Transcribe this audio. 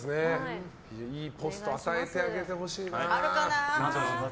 いいポスト与えてあげてほしいな。